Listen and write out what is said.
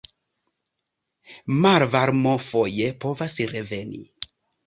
Malvarmo foje povas reveni.